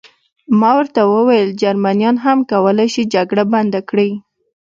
ما ورته وویل: جرمنیان هم کولای شي جګړه بنده کړي.